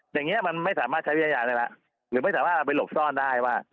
อย่างเงี้ยมันไม่สามารถใช้วิญญาณเลยล่ะหรือไม่สามารถไปหลบซ่อนได้ว่า